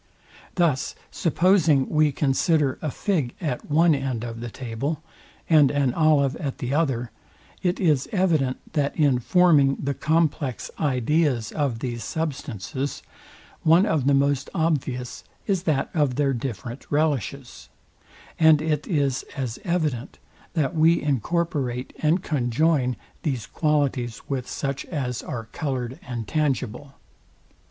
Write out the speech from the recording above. Thus supposing we consider a fig at one end of the table, and an olive at the other, it is evident, that in forming the complex ideas of these substances, one of the most obvious is that of their different relishes; and it is as evident, that we incorporate and conjoin these qualities with such as are coloured and tangible.